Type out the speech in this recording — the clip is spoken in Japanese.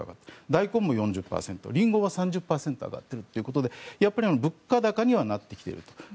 ダイコンも４０％、リンゴは３０％上がっているということで物価高にはなってきていると。